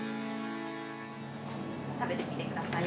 食べてみてください。